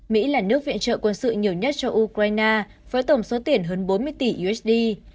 mỹ là nước viện trợ quân sự nhiều nhất cho ukraine với tổng số tiền hơn bốn mươi tỷ usd